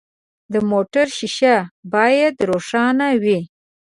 د موټر شیشه باید روښانه وي.